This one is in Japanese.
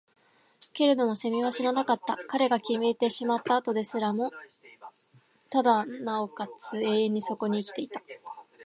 けれども蛸は死ななかった。彼が消えてしまった後ですらも、尚且つ永遠にそこに生きていた。